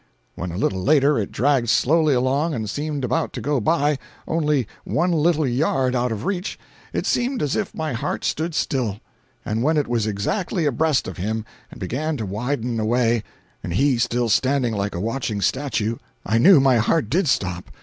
When, a little later, it dragged slowly along and seemed about to go by, only one little yard out of reach, it seemed as if my heart stood still; and when it was exactly abreast him and began to widen away, and he still standing like a watching statue, I knew my heart did stop.